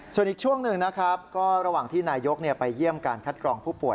ส่วนอีกช่วงหนึ่งนะครับก็ระหว่างที่นายกไปเยี่ยมการคัดกรองผู้ป่ว